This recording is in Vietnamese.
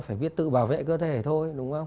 phải biết tự bảo vệ cơ thể thôi